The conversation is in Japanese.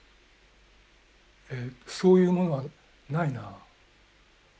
そういうものはないな。